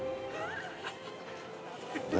何？